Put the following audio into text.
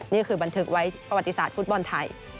นี่คือบันทึกไว้ประวัติศาสตร์ฟุตบอลไทย